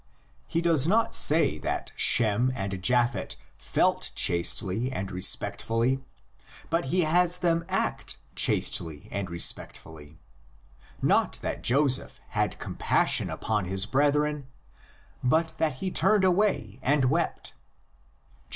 He does not say that Shem and Japhet felt chastely and respectfully, but he has them act chastely and respectfully; not that Joseph had compassion upon his brethren, but that he turned away and wept (xlii.